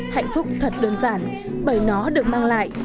hạnh phúc thật đơn giản bởi nó được mang lại